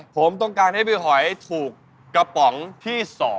ผมต้องการให้พี่หอยถูกกระป๋องที่๒